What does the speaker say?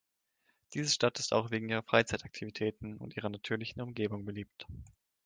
Diese Stadt ist auch wegen ihrer Freizeitaktivitäten und ihrer natürlichen Umgebung beliebt.